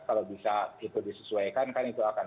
kalau bisa itu disesuaikan kan itu akan